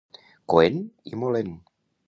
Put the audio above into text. Coent i molent.